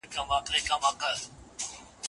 که ټولنه بدلیږي نو علتونه یې هم شته.